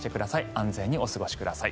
安全にお過ごしください。